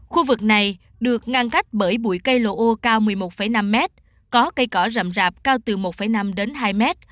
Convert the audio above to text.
khu vực này được ngăn cách bởi bụi cây lộ ô cao một mươi một năm mét có cây cỏ rầm rạp cao từ một năm đến hai m